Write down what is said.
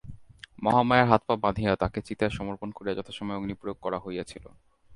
মহামায়ার হাতপা বাঁধিয়া তাহাকে চিতায় সমর্পণ করিয়া যথাসময়ে অগ্নিপ্রয়োগ করা হইয়াছিল।